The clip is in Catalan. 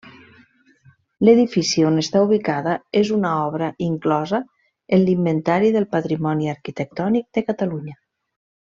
L'edifici on està ubicada és una obra inclosa en l'Inventari del Patrimoni Arquitectònic de Catalunya.